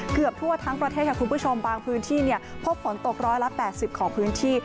เกือบทั่วทั้งประเทศค่ะคุณผู้ชมบางพื้นที่พบฝนตกร้อยละ๘๐ของพื้นที่